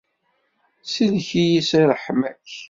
Sellek-iyi s ṛṛeḥma-k!